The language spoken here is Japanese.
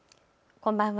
こんばんは。